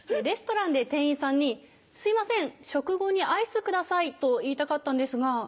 レストランで店員さんに「すいません食後にアイスください」と言いたかったんですが。